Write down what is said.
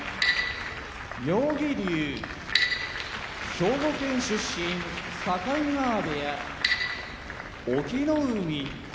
兵庫県出身境川部屋隠岐の海